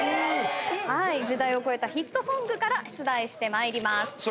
時代を超えたヒットソングから出題してまいります。